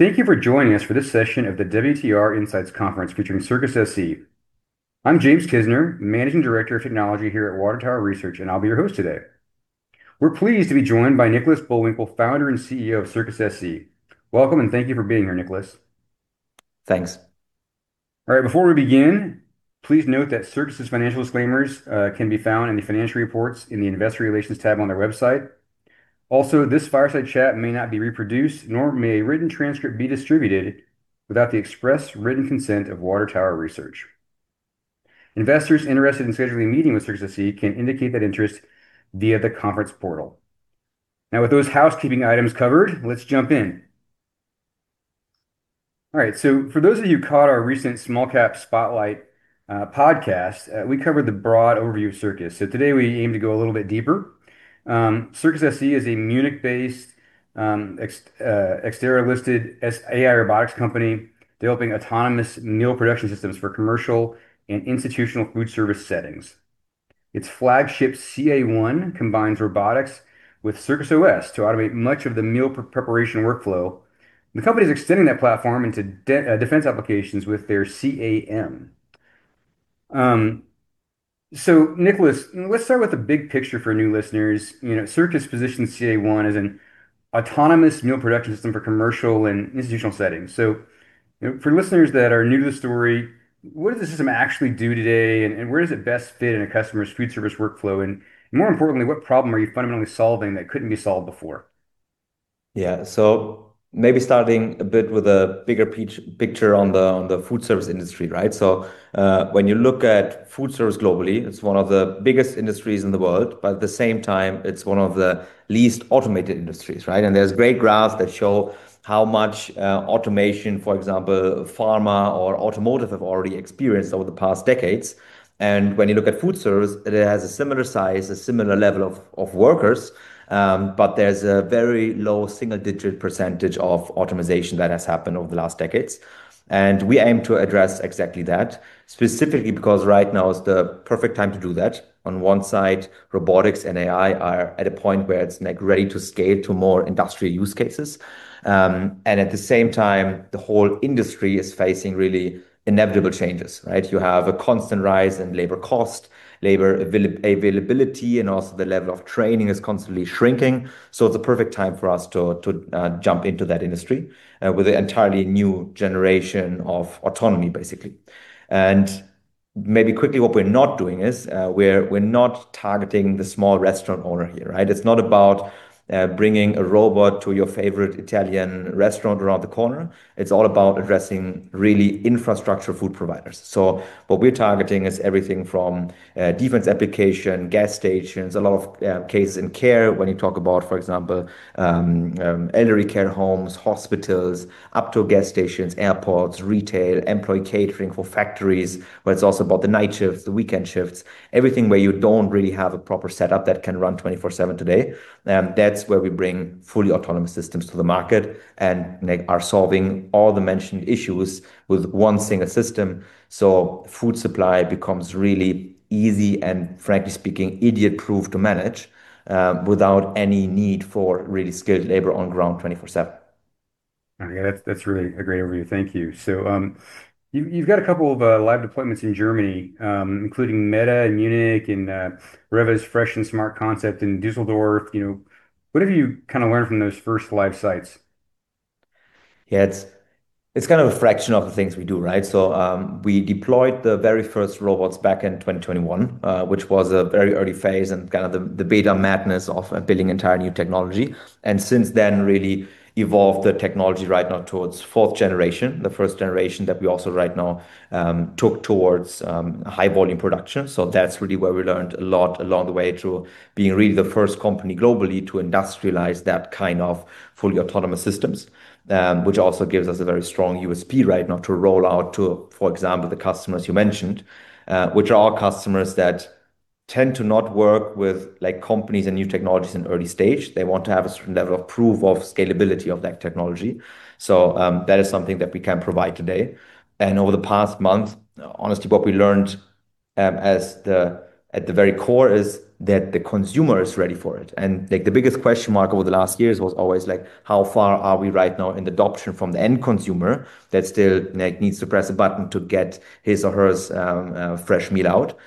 Thank you for joining us for this session of the WTR Insights Conference featuring Circus SE. I'm James Kisner, Managing Director of Technology here at Water Tower Research, and I'll be your host today. We're pleased to be joined by Nikolas Bullwinkel, Founder and CEO of Circus SE. Welcome, and thank you for being here, Nikolas. Thanks. All right. Before we begin, please note that Circus's financial disclaimers can be found in the financial reports in the Investor Relations tab on their website. Also, this fireside chat may not be reproduced, nor may a written transcript be distributed without the express written consent of Water Tower Research. Investors interested in scheduling a meeting with Circus SE can indicate that interest via the conference portal. Now with those housekeeping items covered, let's jump in. All right. For those of you who caught our recent WTR Small-Cap Spotlight podcast, we covered the broad overview of Circus. Today we aim to go a little bit deeper. Circus SE is a Munich-based, Xetra-listed AI robotics company developing autonomous meal production systems for commercial and institutional food service settings. Its flagship, CA-1, combines robotics with Circus OS to automate much of the meal preparation workflow. The company is extending that platform into defense applications with their CA-M. Nikolas, let's start with the big picture for new listeners. Circus positions CA-1 as an autonomous meal production system for commercial and institutional settings. For listeners that are new to the story, what does the system actually do today, and where does it best fit in a customer's food service workflow? More importantly, what problem are you fundamentally solving that couldn't be solved before? Yeah. Maybe starting a bit with a bigger picture on the food service industry, right? When you look at food service globally, it's one of the biggest industries in the world, but at the same time, it's one of the least automated industries, right? There's great graphs that show how much automation, for example, pharma or automotive have already experienced over the past decades. When you look at food service, it has a similar size, a similar level of workers, but there's a very low single-digit percentage of automization that has happened over the last decades. We aim to address exactly that, specifically because right now is the perfect time to do that. On one side, robotics and AI are at a point where it's ready to scale to more industrial use cases. At the same time, the whole industry is facing really inevitable changes, right? You have a constant rise in labor cost, labor availability, and also the level of training is constantly shrinking. It's a perfect time for us to jump into that industry, with an entirely new generation of autonomy, basically. Maybe quickly, what we're not doing is, we're not targeting the small restaurant owner here, right? It's not about bringing a robot to your favorite Italian restaurant around the corner. It's all about addressing really infrastructure food providers. What we're targeting is everything from defense application, gas stations, a lot of cases in care, when you talk about, for example, elderly care homes, hospitals, up to gas stations, airports, retail, employee catering for factories, where it's also about the night shifts, the weekend shifts, everything where you don't really have a proper setup that can run 24/7 today. That's where we bring fully autonomous systems to the market and are solving all the mentioned issues with one single system, so food supply becomes really easy and, frankly speaking, idiot-proof to manage, without any need for really skilled labor on ground 24/7. Okay. That's really a great overview. Thank you. You've got a couple of live deployments in Germany, including Meta in Munich and REWE's Fresh & Smart concept in Düsseldorf. What have you learned from those first live sites? Yeah. It's kind of a fraction of the things we do, right? We deployed the very first robots back in 2021, which was a very early phase and kind of the beta madness of building entire new technology, and since then really evolved the technology right now towards fourth generation, the first generation that we also right now took towards high-volume production. That's really where we learned a lot along the way through being really the first company globally to industrialize that kind of fully autonomous systems, which also gives us a very strong USP right now to roll out to, for example, the customers you mentioned, which are all customers that tend to not work with companies and new technologies in early stage. They want to have a certain level of proof of scalability of that technology. That is something that we can provide today. Over the past month, honestly, what we learned at the very core is that the consumer is ready for it. The biggest question mark over the last years was always how far are we right now in adoption from the end consumer that still needs to press a button to get his or hers fresh meal out.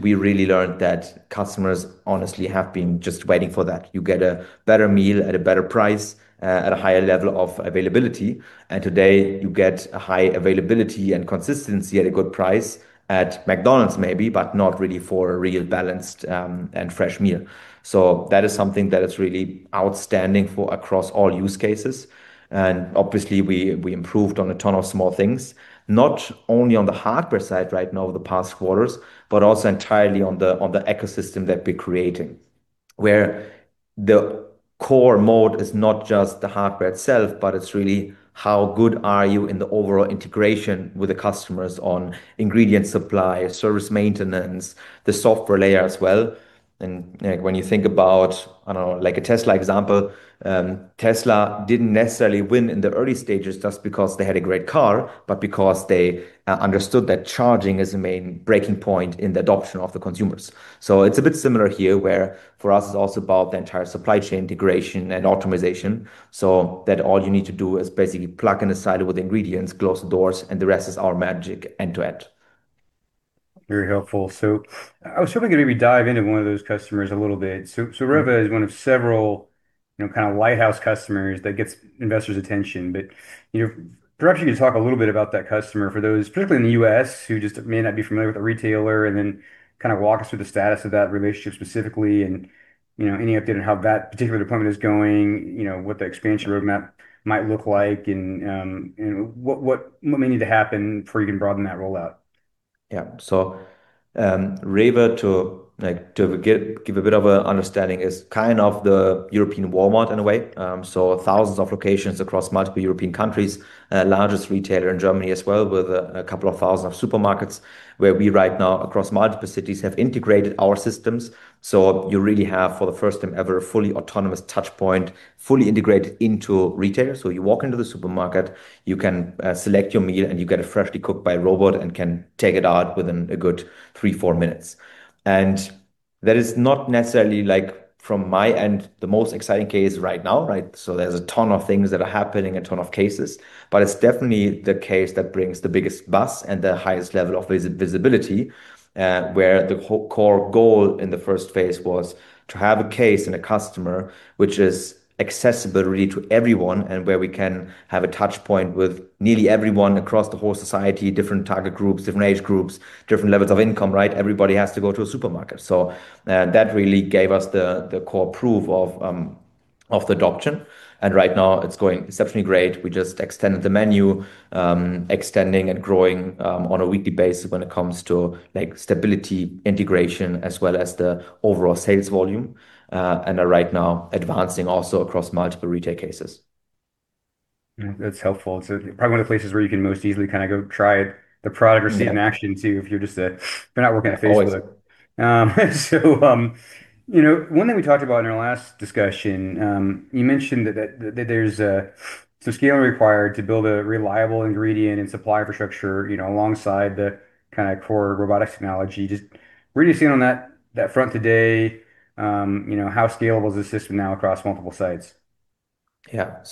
We really learned that customers honestly have been just waiting for that. You get a better meal at a better price, at a higher level of availability. Today, you get a high availability and consistency at a good price at McDonald's maybe, but not really for a real balanced and fresh meal. That is something that is really outstanding for across all use cases. Obviously we improved on a ton of small things, not only on the hardware side right now over the past quarters, but also entirely on the ecosystem that we're creating, where the core moat is not just the hardware itself, but it's really how good are you in the overall integration with the customers on ingredient supply, service maintenance, the software layer as well. When you think about, I don't know, a Tesla example, Tesla didn't necessarily win in the early stages just because they had a great car, but because they understood that charging is the main breaking point in the adoption of the consumers. It's a bit similar here where for us it's also about the entire supply chain integration and optimization, so that all you need to do is basically plug in the side with ingredients, close the doors, and the rest is our magic end to end. Very helpful. I was hoping to maybe dive into one of those customers a little bit. REWE is one of several kind of lighthouse customers that gets investors' attention. If perhaps you could talk a little bit about that customer for those, particularly in the US, who just may not be familiar with the retailer, and then kind of walk us through the status of that relationship specifically and any update on how that particular deployment is going, what the expansion roadmap might look like, and what may need to happen before you can broaden that rollout? Yeah. REWE, to give a bit of an understanding, is kind of the European REWE in a way. Thousands of locations across multiple European countries. Largest retailer in Germany as well, with a couple of 1,000 of supermarkets where we right now, across multiple cities, have integrated our systems. You really have, for the first time ever, a fully autonomous touch point, fully integrated into retail. You walk into the supermarket, you can select your meal, and you get it freshly cooked by robot and can take it out within a good three-four minutes. That is not necessarily, from my end, the most exciting case right now, right? There's a ton of things that are happening, a ton of cases, but it's definitely the case that brings the biggest buzz and the highest level of visibility, where the core goal in the first phase was to have a case and a customer which is accessible really to everyone, and where we can have a touch point with nearly everyone across the whole society, different target groups, different age groups, different levels of income, right? Everybody has to go to a supermarket. That really gave us the core proof of the adoption. Right now it's going exceptionally great. We just extended the menu, extending and growing on a weekly basis when it comes to stability, integration, as well as the overall sales volume, and are right now advancing also across multiple retail cases. That's helpful. It's probably one of the places where you can most easily kind of go try the product or see it in action too, if you're not working at Facebook. Always. One thing we talked about in our last discussion, you mentioned that there's some scaling required to build a reliable ingredient and supply infrastructure alongside the kind of core robotics technology. Just where are you sitting on that front today? How scalable is the system now across multiple sites? Yeah.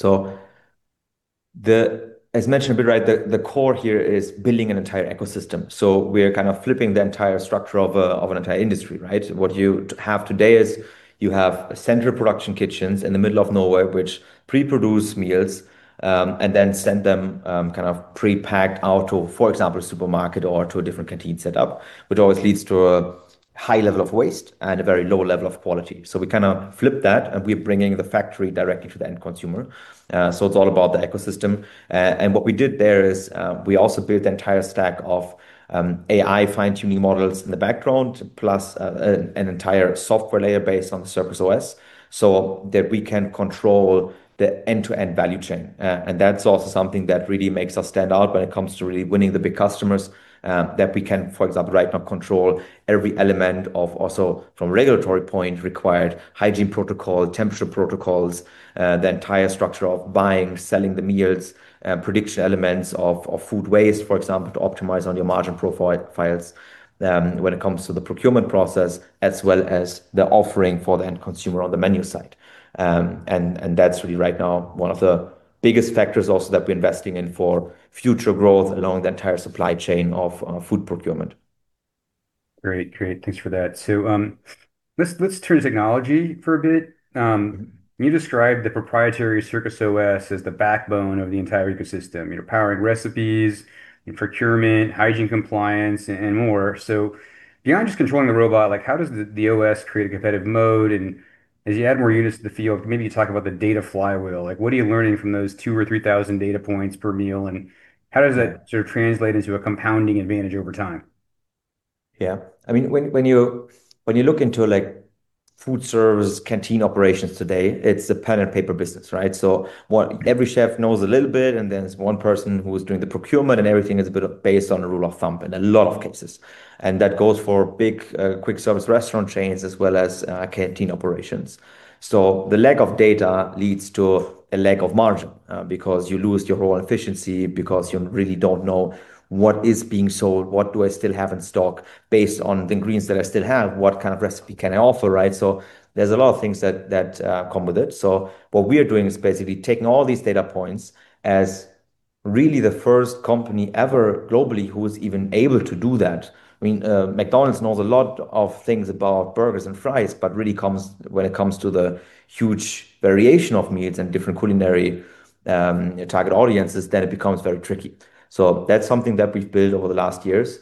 As mentioned a bit, right, the core here is building an entire ecosystem. We are kind of flipping the entire structure of an entire industry, right? What you have today is you have central production kitchens in the middle of nowhere, which pre-produce meals, and then send them kind of pre-packed out to, for example, a supermarket or to a different canteen setup, which always leads to a high level of waste and a very low level of quality. We kind of flip that, and we're bringing the factory directly to the end consumer. It's all about the ecosystem. What we did there is, we also built the entire stack of AI fine-tuning models in the background, plus an entire software layer based on the Circus OS, so that we can control the end-to-end value chain. That's also something that really makes us stand out when it comes to really winning the big customers, that we can, for example, right now control every element of, also from a regulatory point, required hygiene protocol, temperature protocols, the entire structure of buying, selling the meals, prediction elements of food waste, for example, to optimize on your margin profiles when it comes to the procurement process, as well as the offering for the end consumer on the menu side. That's really right now one of the biggest factors also that we're investing in for future growth along the entire supply chain of food procurement. Great. Thanks for that. Let's turn to technology for a bit. You described the proprietary Circus OS as the backbone of the entire ecosystem, powering recipes and procurement, hygiene compliance, and more. Beyond just controlling the robot, how does the OS create a competitive moat? As you add more units to the field, maybe talk about the data flywheel. What are you learning from those 2,000 or 3,000 data points per meal, and how does that sort of translate into a compounding advantage over time? Yeah. When you look into food service canteen operations today, it's a pen and paper business, right? Every chef knows a little bit, and then there's one person who is doing the procurement, and everything is a bit based on a rule of thumb in a lot of cases. That goes for big quick service restaurant chains as well as canteen operations. The lack of data leads to a lack of margin because you lose your raw efficiency, because you really don't know what is being sold. What do I still have in stock? Based on the ingredients that I still have, what kind of recipe can I offer, right? There's a lot of things that come with it. What we are doing is basically taking all these data points as really the first company ever globally who is even able to do that. McDonald's knows a lot of things about burgers and fries, but really when it comes to the huge variation of meals and different culinary target audiences, then it becomes very tricky. That's something that we've built over the last years.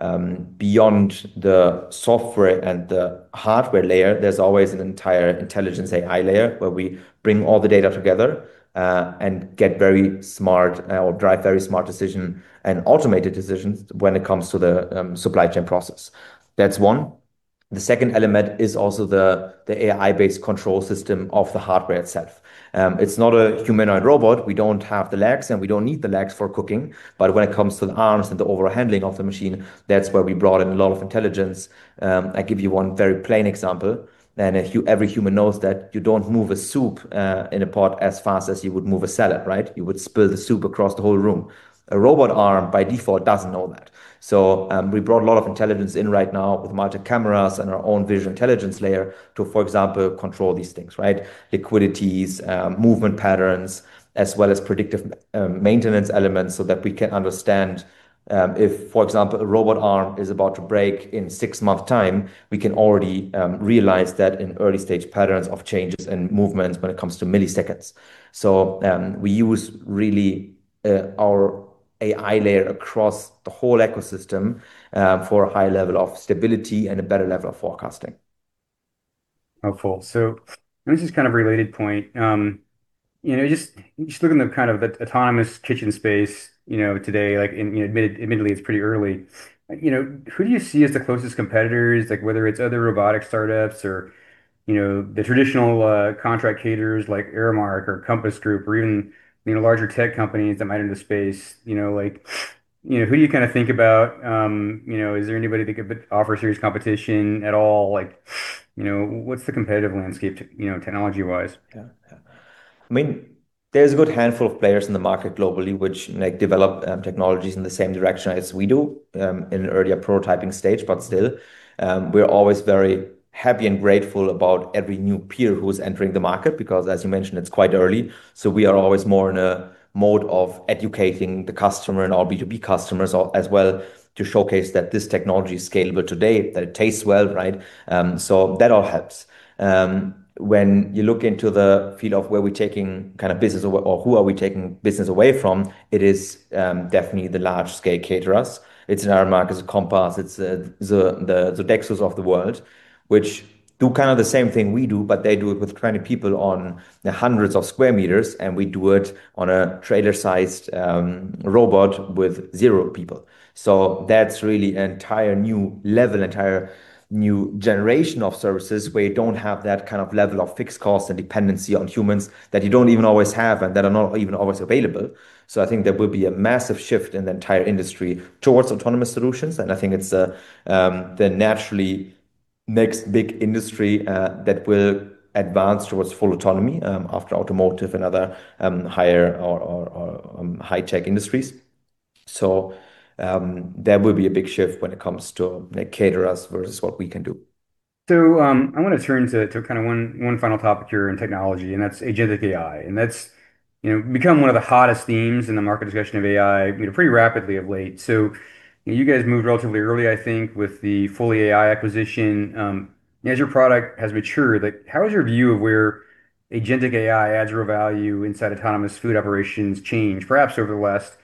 Beyond the software and the hardware layer, there's always an entire intelligent AI layer where we bring all the data together and get very smart or drive very smart decision and automated decisions when it comes to the supply chain process. That's one. The second element is also the AI-based control system of the hardware itself. It's not a humanoid robot. We don't have the legs, and we don't need the legs for cooking. When it comes to the arms and the overall handling of the machine, that's where we brought in a lot of intelligence. I give you one very plain example, and every human knows that you don't move a soup in a pot as fast as you would move a salad, right? You would spill the soup across the whole room. A robot arm by default doesn't know that. We brought a lot of intelligence in right now with multiple cameras and our own vision intelligence layer to, for example, control these things, right? Liquids, movement patterns, as well as predictive maintenance elements so that we can understand if, for example, a robot arm is about to break in six-month time, we can already realize that in early-stage patterns of changes and movements when it comes to milliseconds. We use really our AI layer across the whole ecosystem for a high level of stability and a better level of forecasting. Helpful. This is kind of related point. Just looking at the kind of autonomous kitchen space today, admittedly, it's pretty early. Who do you see as the closest competitors, whether it's other robotic startups or the traditional contract caterers like Aramark or Compass Group or even larger tech companies that might enter the space? Who do you think about? Is there anybody that could offer serious competition at all? What's the competitive landscape technology-wise? Yeah. There's a good handful of players in the market globally which develop technologies in the same direction as we do in an earlier prototyping stage, but still. We're always very happy and grateful about every new peer who's entering the market because, as you mentioned, it's quite early. We are always more in a mode of educating the customer and our B2B customers as well to showcase that this technology is scalable today, that it tastes well. That all helps. When you look into the field of where we're taking business or who are we taking business away from, it is definitely the large-scale caterers. It's an Aramark, it's a Compass, it's the Dussmann of the world, which do kind of the same thing we do, but they do it with 20 people on hundreds of sq m, and we do it on a trailer-sized robot with zero people. That's really an entire new level, entire new generation of services where you don't have that kind of level of fixed cost and dependency on humans that you don't even always have and that are not even always available. I think there will be a massive shift in the entire industry towards autonomous solutions, and I think it's the naturally next big industry that will advance towards full autonomy after automotive and other higher or high-tech industries. There will be a big shift when it comes to caterers versus what we can do. I want to turn to one final topic here in technology, and that's agentic AI. That's become one of the hottest themes in the market discussion of AI pretty rapidly of late. You guys moved relatively early, I think, with the FullyAI acquisition. As your product has matured, how has your view of where agentic AI adds real value inside autonomous food operations changed, perhaps over the last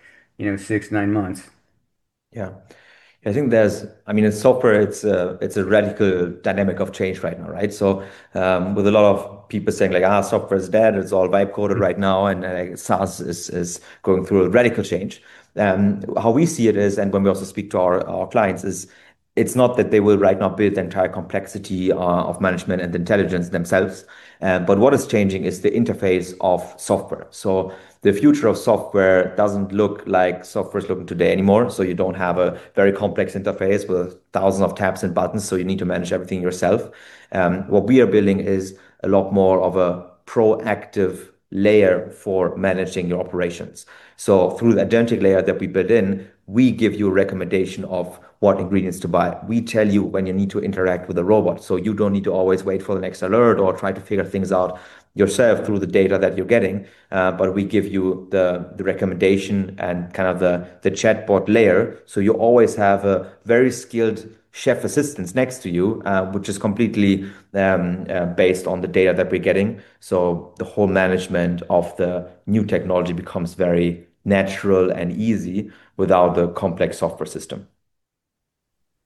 six, nine months? Yeah. In software it's a radical dynamic of change right now, right? With a lot of people saying, like, software is dead, it's all vibe coded right now, and like SaaS is going through a radical change, how we see it is, and when we also speak to our clients is, it's not that they will right now build the entire complexity of management and intelligence themselves. What is changing is the interface of software. The future of software doesn't look like software is looking today anymore. You don't have a very complex interface with 1,000s of tabs and buttons, so you need to manage everything yourself. What we are building is a lot more of a proactive layer for managing your operations. Through the agentic layer that we build in, we give you a recommendation of what ingredients to buy. We tell you when you need to interact with a robot, so you don't need to always wait for the next alert or try to figure things out yourself through the data that you're getting. We give you the recommendation and kind of the chatbot layer. You always have a very skilled chef assistant next to you, which is completely based on the data that we're getting. The whole management of the new technology becomes very natural and easy without the complex software system.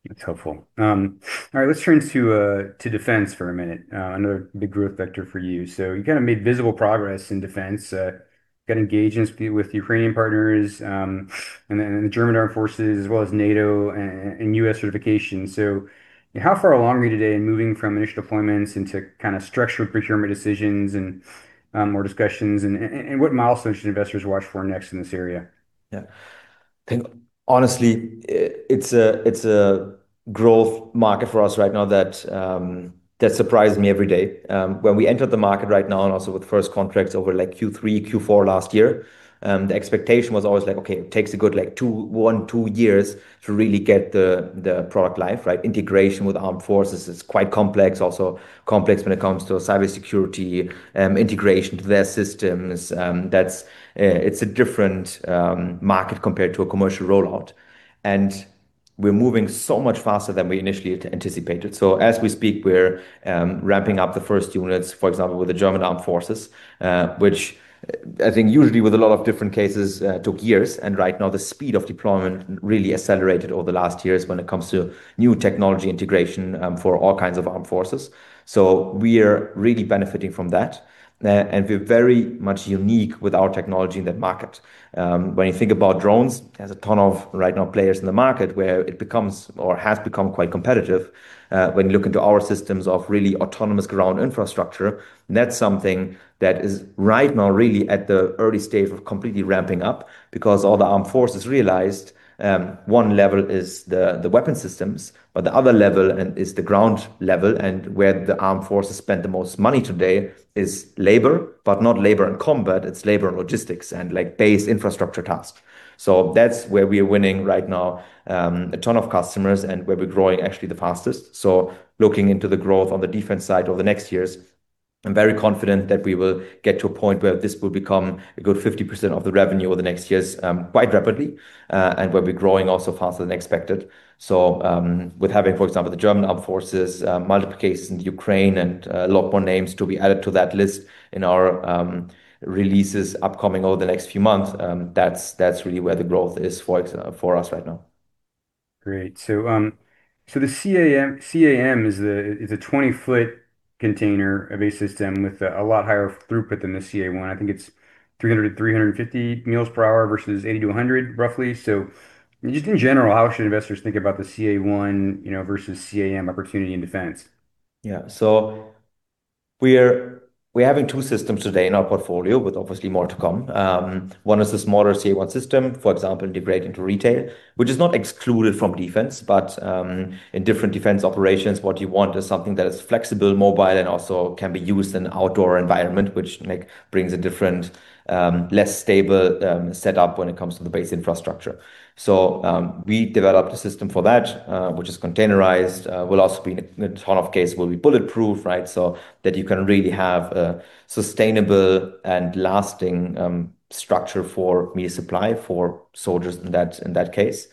That's helpful. All right. Let's turn to defense for a minute, another big growth vector for you. You kind of made visible progress in defense, got engagements with Ukrainian partners, and then the German Armed Forces as well as NATO and US certification. How far along are you today in moving from initial deployments into kind of structured procurement decisions and more discussions, and what milestones should investors watch for next in this area? Yeah. I think honestly, it's a growth market for us right now that surprises me every day. When we entered the market right now and also with the first contracts over like Q3, Q4 last year, the expectation was always like, okay, it takes a good one, two years to really get the product live, right? Integration with armed forces is quite complex, also complex when it comes to cybersecurity, integration to their systems. It's a different market compared to a commercial rollout. We're moving so much faster than we initially had anticipated. As we speak, we're ramping up the first units, for example, with the German Armed Forces, which I think usually with a lot of different cases took years. Right now, the speed of deployment really accelerated over the last years when it comes to new technology integration for all kinds of armed forces. We are really benefiting from that. We're very much unique with our technology in that market. When you think about drones, there's a ton of right now players in the market where it becomes or has become quite competitive. When you look into our systems of really autonomous ground infrastructure, that's something that is right now really at the early stage of completely ramping up because all the armed forces realized one level is the weapon systems, but the other level is the ground level. Where the armed forces spend the most money today is labor, but not labor in combat. It's labor in logistics and base infrastructure tasks. That's where we are winning right now, a ton of customers, and where we're growing actually the fastest. Looking into the growth on the defense side over the next years, I'm very confident that we will get to a point where this will become a good 50% of the revenue over the next years quite rapidly, and where we're growing also faster than expected. With having, for example, the German Armed Forces, multiple cases in Ukraine and a lot more names to be added to that list in our releases upcoming over the next few months, that's really where the growth is for us right now. Great. The CA-M is a 20-foot container of a system with a lot higher throughput than the CA-1. I think it's 300-350 meals per hour versus 80-100, roughly. Just in general, how should investors think about the CA-1 versus CA-M opportunity in defense? Yeah. We're having two systems today in our portfolio, with obviously more to come. One is the smaller CA-1 system, for example, integrate into retail, which is not excluded from defense. In different defense operations, what you want is something that is flexible, mobile, and also can be used in outdoor environment, which brings a different, less stable setup when it comes to the base infrastructure. We developed a system for that, which is containerized, in a ton of case will be bulletproof, right, so that you can really have a sustainable and lasting structure for meal supply for soldiers in that case.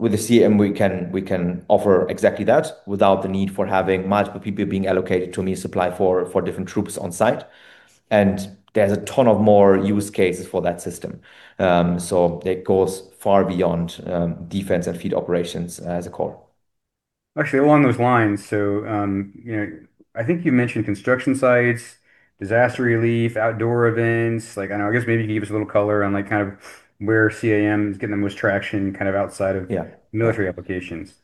With the CA-M, we can offer exactly that without the need for having multiple people being allocated to meal supply for different troops on site. There's a ton of more use cases for that system. It goes far beyond defense and food operations as a core. Actually, along those lines, so I think you mentioned construction sites, disaster relief, outdoor events. I guess maybe you can give us a little color on kind of where CA-M is getting the most traction. Yeah Military applications.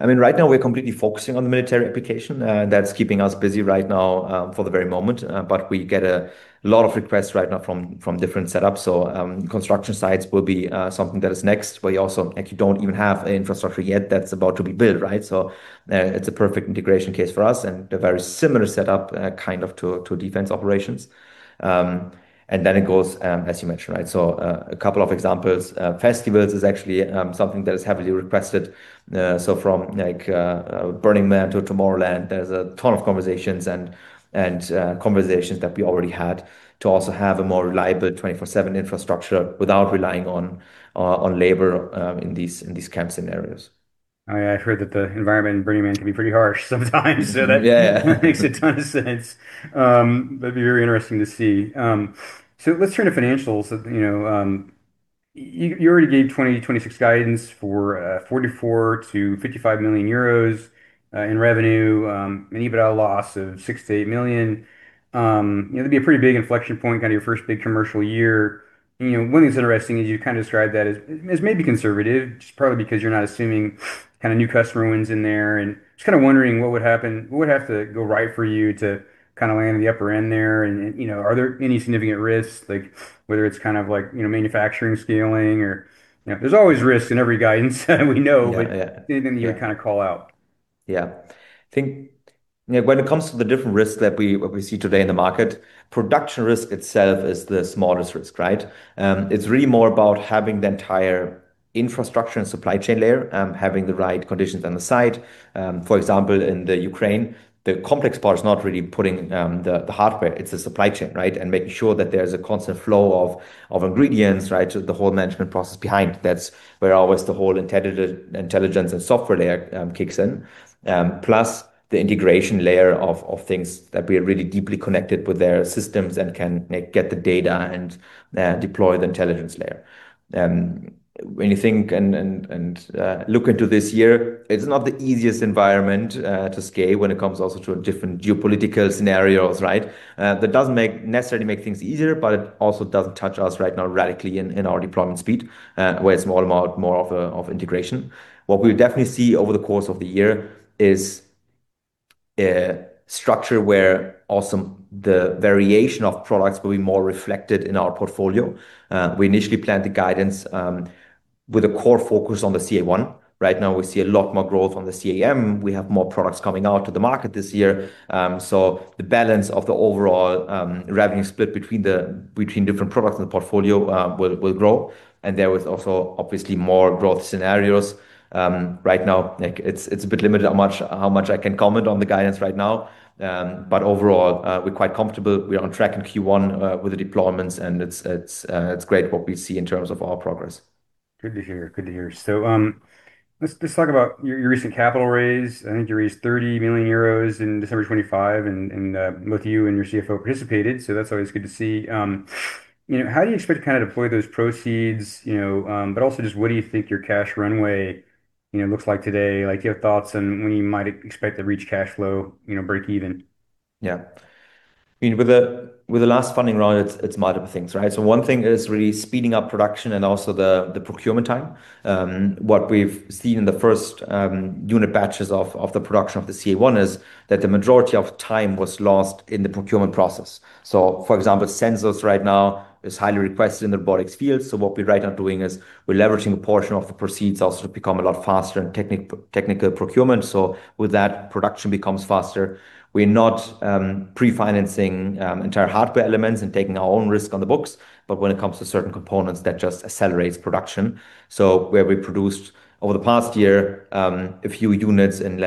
Right now, we're completely focusing on the military application. That's keeping us busy right now for the very moment. We get a lot of requests right now from different setups. Construction sites will be something that is next. We also actually don't even have an infrastructure yet that's about to be built, right? It's a perfect integration case for us, and a very similar setup kind of to defense operations. It goes, as you mentioned, right? A couple of examples, festivals is actually something that is heavily requested. From Burning Man to Tomorrowland, there's a ton of conversations that we already had to also have a more reliable 24/7 infrastructure without relying on labor in these camp scenarios. I've heard that the environment in Burning Man can be pretty harsh sometimes. Yeah. It makes a ton of sense. That'd be very interesting to see. Let's turn to financials. You already gave 2026 guidance for 44 million-55 million euros in revenue, an EBITDA loss of 6 million-8 million. It'd be a pretty big inflection point, kind of your first big commercial year. One thing that's interesting is you kind of described that as maybe conservative, just probably because you're not assuming kind of new customer wins in there. I am just kind of wondering what would happen, what would have to go right for you to land in the upper end there, and are there any significant risks, whether it's kind of manufacturing, scaling? There's always risks in every guidance we know. Yeah Anything you kind of call out? Yeah. I think when it comes to the different risks that we see today in the market, production risk itself is the smallest risk, right? It's really more about having the entire infrastructure and supply chain layer, having the right conditions on the site. For example, in the Ukraine, the complex part is not really putting the hardware, it's the supply chain, right, making sure that there's a constant flow of ingredients, right, so the whole management process behind. That's where always the whole intelligence and software layer kicks in, plus the integration layer of things that we are really deeply connected with their systems and can get the data and deploy the intelligence layer. When you think and look into this year, it's not the easiest environment to scale when it comes also to different geopolitical scenarios, right? That doesn't necessarily make things easier, but it also doesn't touch us right now radically in our deployment speed, where it's more of integration. What we'll definitely see over the course of the year is a structure where also the variation of products will be more reflected in our portfolio. We initially planned the guidance with a core focus on the CA-1. Right now, we see a lot more growth on the CA-M. We have more products coming out to the market this year. The balance of the overall revenue split between different products in the portfolio will grow. There is also obviously more growth scenarios. Right now, it's a bit limited how much I can comment on the guidance right now. Overall, we're quite comfortable. We are on track in Q1 with the deployments, and it's great what we see in terms of our progress. Good to hear. Let's talk about your recent capital raise. I think you raised 30 million euros in December 2025, and both you and your CFO participated, so that's always good to see. How do you expect to deploy those proceeds, but also just what do you think your cash runway looks like today? Do you have thoughts on when you might expect to reach cash flow breakeven? Yeah. With the last funding round, it's multiple things, right? One thing is really speeding up production and also the procurement time. What we've seen in the first unit batches of the production of the CA-1 is that the majority of time was lost in the procurement process. For example, sensors right now is highly requested in the robotics field. What we're right now doing is we're leveraging a portion of the proceeds also to become a lot faster in technical procurement. With that, production becomes faster. We're not pre-financing entire hardware elements and taking our own risk on the books, but when it comes to certain components, that just accelerates production. Where we produced over the past year, a few units in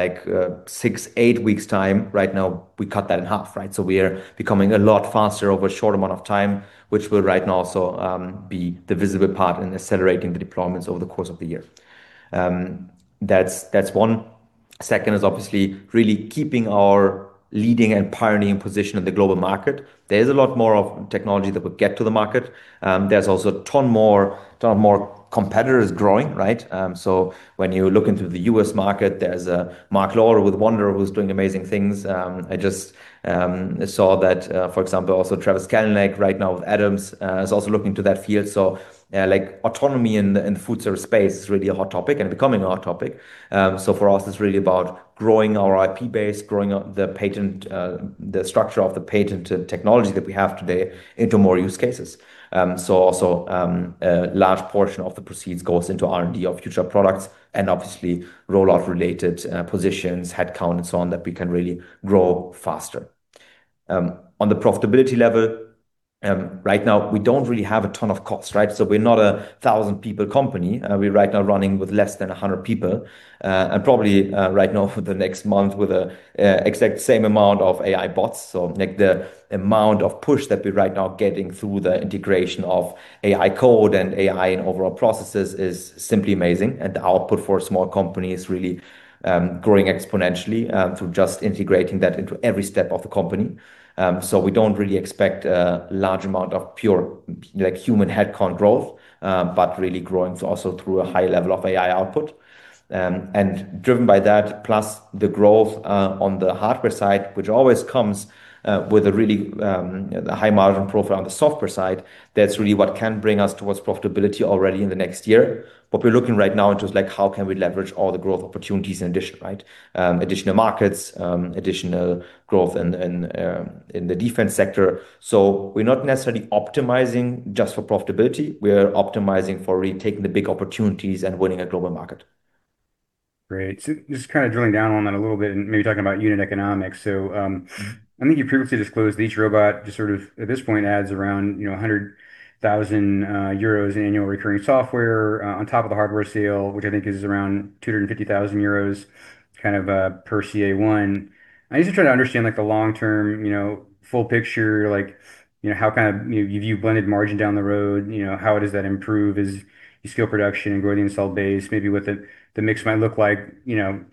six-eight weeks' time, right now, we cut that in half, right? We are becoming a lot faster over a short amount of time, which will right now also be the visible part in accelerating the deployments over the course of the year. That's one. Second is obviously really keeping our leading and pioneering position in the global market. There is a lot more of technology that will get to the market. There's also a ton more competitors growing, right? When you look into the US market, there's Marc Lore with Wonder, who's doing amazing things. I just saw that, for example, also Travis Kalanick right now with Atoms, is also looking into that field. Autonomy in the food service space is really a hot topic and becoming a hot topic. For us, it's really about growing our IP base, growing the structure of the patent technology that we have today into more use cases. Also, a large portion of the proceeds goes into R&D of future products and obviously rollout-related positions, headcount, and so on, that we can really grow faster. On the profitability level, right now we don't really have a ton of costs, right? We're not 1,000 people company. We're right now running with less than 100 people, and probably right now for the next month with the exact same amount of AI bots. Like the amount of push that we're right now getting through the integration of AI code and AI in overall processes is simply amazing, and the output for a small company is really growing exponentially, through just integrating that into every step of the company. We don't really expect a large amount of pure human headcount growth. Really growing also through a high level of AI output, and driven by that plus the growth on the hardware side, which always comes with a really high margin profile on the software side, that's really what can bring us towards profitability already in the next year. We're looking right now into how can we leverage all the growth opportunities in addition, right, additional markets, additional growth in the defense sector. We're not necessarily optimizing just for profitability. We're optimizing for really taking the big opportunities and winning a global market. Great, just kind of drilling down on that a little bit and maybe talking about unit economics. I think you previously disclosed each robot, just sort of at this point adds around 100,000 euros annual recurring software on top of the hardware sale, which I think is around 250,000 euros kind of per CA-1. I usually try to understand the long-term full picture, like how kind of you view blended margin down the road. How does that improve as you scale production and grow the install base, maybe what the mix might look like,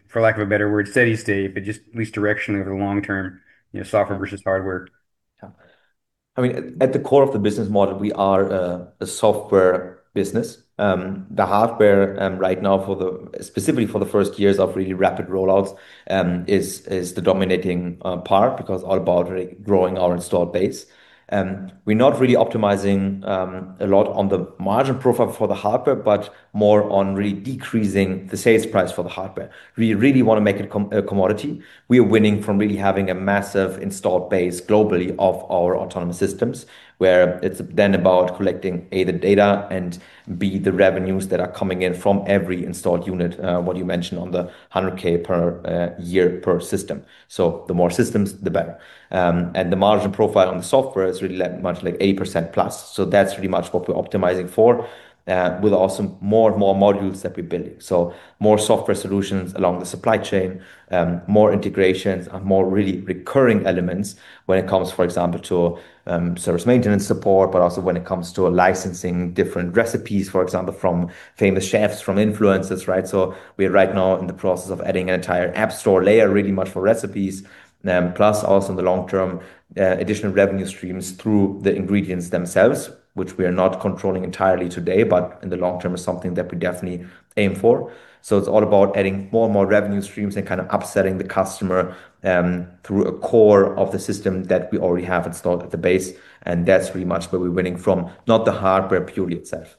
for lack of a better word, steady state, but just at least directionally over the long term, software versus hardware? Yeah. I mean, at the core of the business model, we are a software business. The hardware right now, specifically for the first years of really rapid rollouts, is the dominating part because it's all about really growing our installed base. We're not really optimizing a lot on the margin profile for the hardware, but more on really decreasing the sales price for the hardware. We really want to make it a commodity. We are winning from really having a massive installed base globally of our autonomous systems, where it's then about collecting, A, the data and, B, the revenues that are coming in from every installed unit, what you mentioned on the 100,000 per year per system. The more systems, the better. The margin profile on the software is really much like 80%+. That's really much what we're optimizing for, with also more and more modules that we're building, more software solutions along the supply chain, more integrations and more really recurring elements when it comes, for example, to service maintenance support, but also when it comes to licensing different recipes, for example, from famous chefs, from influencers, right? We're right now in the process of adding an entire app store layer, really much for recipes. Plus also in the long term, additional revenue streams through the ingredients themselves, which we are not controlling entirely today, but in the long term is something that we definitely aim for. It's all about adding more and more revenue streams and kind of upselling the customer through a core of the system that we already have installed at the base. That's pretty much where we're winning from, not the hardware purely itself.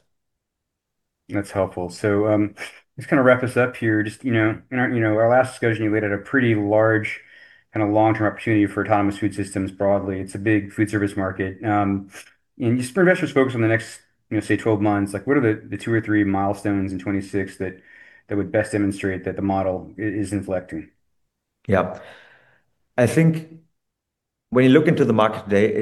That's helpful. Just to kind of wrap us up here. Just in our last discussion, you laid out a pretty large kind of long-term opportunity for autonomous food systems broadly. It's a big food service market. You've pretty much just focused on the next, say 12 months. What are the two or three milestones in 2026 that would best demonstrate that the model is inflecting? Yeah, I think when you look into the market today,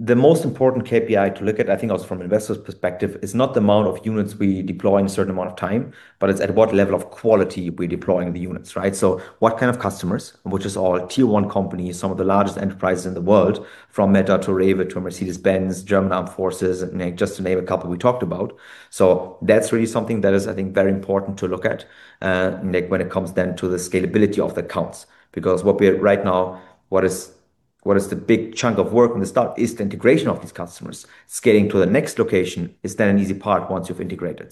the most important KPI to look at, I think also from an investor's perspective, is not the amount of units we deploy in a certain amount of time, but it's at what level of quality we're deploying the units, right? What kind of customers, which is all tier one companies, some of the largest enterprises in the world, from Meta to REWE to Mercedes-Benz, German Armed Forces, just to name a couple we talked about. That's really something that is, I think, very important to look at, Nick, when it comes then to the scalability of the accounts. Because right now what is the big chunk of work from the start is the integration of these customers. Scaling to the next location is then an easy part once you've integrated.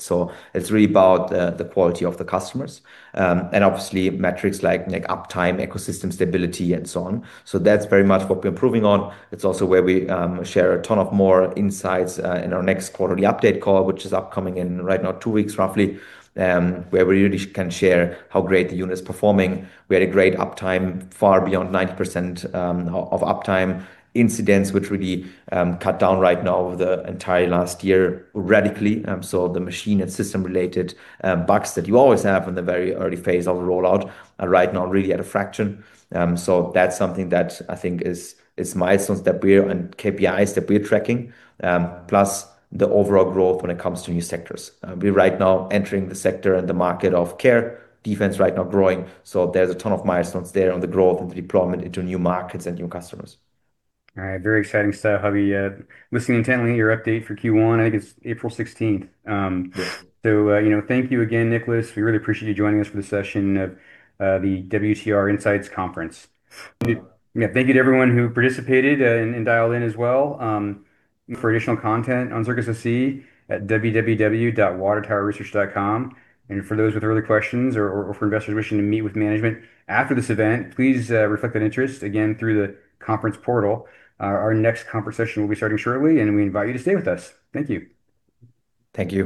It's really about the quality of the customers, obviously metrics like uptime, ecosystem stability, and so on. That's very much what we're improving on. It's also where we share a ton of more insights in our next quarterly update call, which is upcoming in right now two weeks roughly, where we really can share how great the unit is performing. We had a great uptime, far beyond 90% of uptime incidents, which really cut down right now over the entire last year radically. The machine and system-related bugs that you always have in the very early phase of the rollout are right now really at a fraction. That's something that I think is milestones and KPIs that we're tracking, plus the overall growth when it comes to new sectors. We're right now entering the sector and the market of care, defense right now growing. There's a ton of milestones there on the growth and deployment into new markets and new customers. All right, very exciting stuff, I'll be, listening intently to your update for Q1. I think it's April 16th. Yeah. Thank you again, Nikolas. We really appreciate you joining us for this session of the WTR Insights Conference. Yeah. Yeah. Thank you to everyone who participated and dialed in as well. Look for additional content on Circus SE at www.watertowerresearch.com. For those with early questions or for investors wishing to meet with management after this event, please reflect that interest again through the conference portal. Our next conference session will be starting shortly, and we invite you to stay with us. Thank you. Thank you.